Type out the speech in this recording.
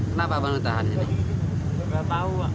kenapa menentangnya ini enggak tahu